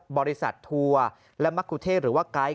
บริษัททัวร์และมะกุเทศหรือว่าไกด์